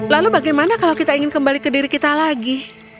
lalu bagaimana kalau kita ingin kembali ke diri kita lagi